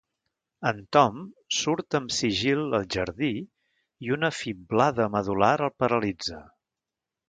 El Tom surt amb sigil al jardí i una fiblada medul·lar el paralitza.